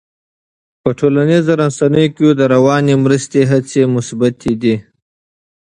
په ټولنیزو رسنیو کې د رواني مرستې هڅې مثبتې دي.